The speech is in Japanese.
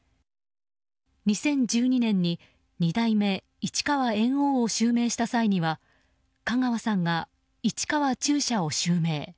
２０１２年に二代目市川猿翁を襲名した際には香川さんが市川中車を襲名。